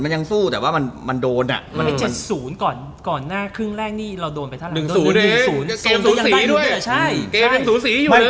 เกมเป็นสูสีด้วย